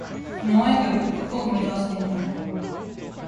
このアイドル、どこを目指してんだろ